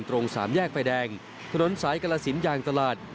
ตรง๓แยกไฟแดงถนนสายกละศิลป์ยางตลาด